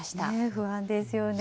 不安ですよね。